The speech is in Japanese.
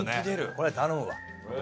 これは頼むわ。